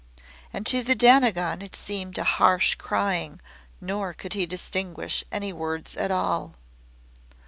And to the Dainagon it seemed a harsh crying nor could he distinguish any words at all.